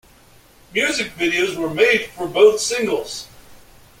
Music videos were made for both singles.